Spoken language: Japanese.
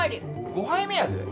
５杯目やで。